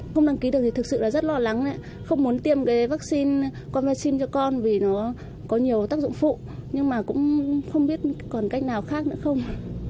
không đăng ký được thì thực sự là rất lo lắng không muốn tiêm vaccine comping cho con vì nó có nhiều tác dụng phụ nhưng mà cũng không biết còn cách nào khác nữa không